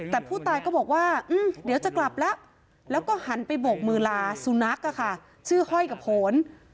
แต่ผู้ตายก็บอกว่าเดี๋ยวจะกลับแล้วแล้วก็หันไปโบกมือลาสุนัขชื่อห้อยกับโหน